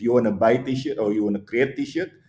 jika anda ingin membeli t shirt atau membuat t shirt